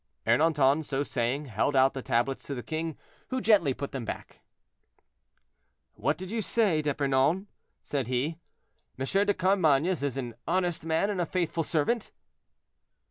Ernanton, so saying, held out the tablets to the king, who gently put them back. "What did you say, D'Epernon?" said he; "M. de Carmainges is an honest man and a faithful servant?"